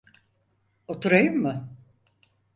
Oturayım mı?